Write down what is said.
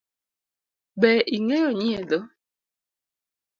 Be ing’eyo nyiedho?